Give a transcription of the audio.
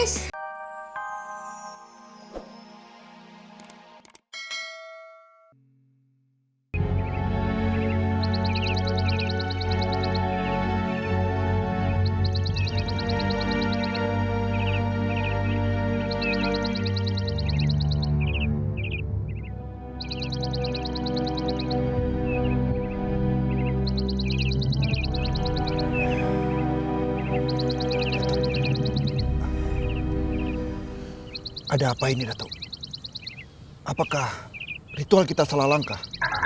datuk ada apa ini datuk apakah ritual kita salah langkah